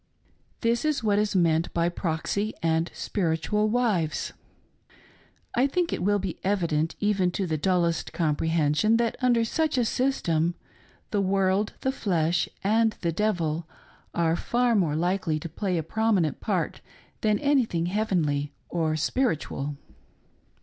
This is what is meant by "proxy" and "spiritual" wives^ SHE WANTED TO BE BRIGHAM YOUNG's "QUEEN!" 255 I think it will be evident even to the dullest comprehension thai under such a system, "the world, the flesh, and the devil " are far more likely to play a prominent part than any thing heavenly or spiritual.